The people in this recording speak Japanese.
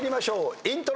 イントロ。